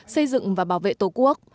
xây dựng và bảo vệ tổ quốc